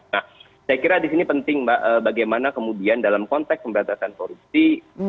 nah saya kira di sini penting mbak bagaimana kemudian dalam konteks pemberantasan korupsi